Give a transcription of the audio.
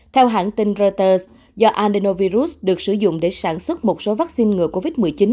theo hãng tin reuters do adenovirus được sử dụng để sản xuất một số vaccine ngừa covid một mươi chín